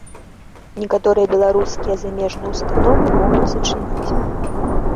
Некаторыя беларускія замежныя ўстановы могуць зачыніць.